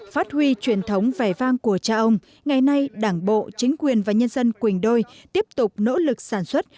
phát huy truyền thống vẻ vang của cha ông ngày nay đảng bộ chính quyền và nhân dân quỳnh đôi tiếp tục nỗ lực sản xuất